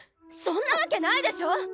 そんなわけないでしょ！